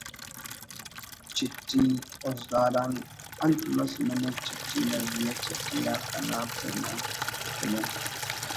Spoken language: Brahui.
چٹھی (خضدار آن) انت مس نمے چٹھی نا زی آ چٹھی آ کنا پن ءِ